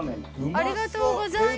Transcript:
ありがとうございます。